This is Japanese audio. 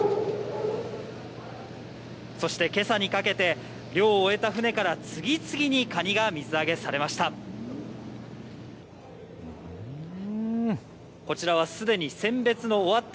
そしてけさにかけて、漁を終えた船から次々にカニが水揚げされました。